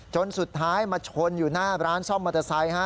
จนสุดท้ายมาชนอยู่หน้าร้านซ่อมมอเตอร์ไซค์